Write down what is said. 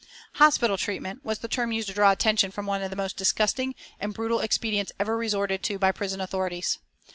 "Hospital treatment" was the term used to draw attention from one of the most disgusting and brutal expedients ever resorted to by prison authorities.